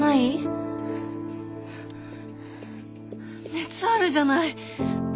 熱あるじゃない。